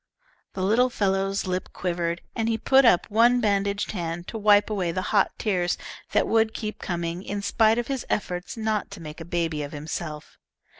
The little fellow's lip quivered, and he put up one bandaged hand to wipe away the hot tears that would keep coming, in spite of his efforts not to make a baby of himself.